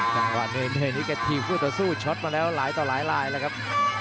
จังหวะเนยนี้แกถีบคู่ต่อสู้ช็อตมาแล้วหลายต่อหลายลายแล้วครับ